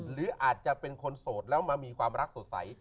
หรืออาจจะเป็นคนโสดแล้วมามีความรักสดใส